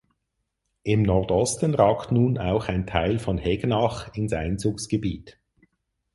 Im Nordosten ragt nun auch ein Teil von Hegnach ins Einzugsgebiet.